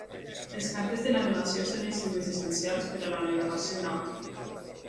Les cartes de navegació són instruments essencials per a la navegació nàutica.